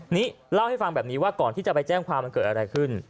นี่เล่าให้ฟังแบบนี้ว่าก่อนที่จะไปแจ้งความมันเกิดอะไรขึ้น